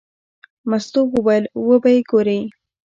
مستو وویل: وبه یې ګورې.